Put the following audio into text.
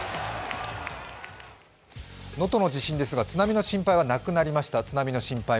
能登の地震ですが津波の心配はなくなりました。